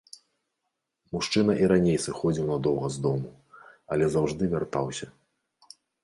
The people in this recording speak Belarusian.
Мужчына і раней сыходзіў надоўга з дому, але заўжды вяртаўся.